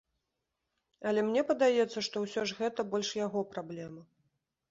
Але мне падаецца, што ўсё ж гэта больш яго праблема.